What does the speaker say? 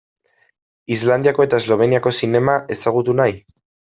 Islandiako eta Esloveniako zinema ezagutu nahi?